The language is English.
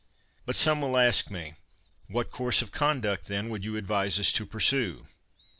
But some will ask me, What course of con duct, then, would you advise us to pursue?''